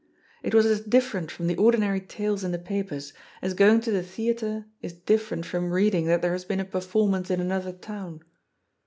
It was as different from the ordinary tales in the papers, as going to the theatre is dif ferent from reading that there has been a performance in another town.